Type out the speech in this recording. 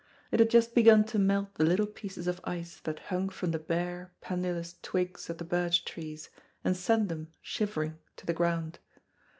It had just begun to melt the little pieces of ice that hung from the bare, pendulous twigs of the birch trees, and send them, shivering to the ground.